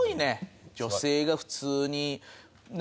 女性が普通にね